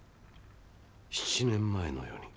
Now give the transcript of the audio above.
７年前のように。